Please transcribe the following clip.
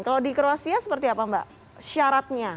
kalau di kroasia seperti apa mbak syaratnya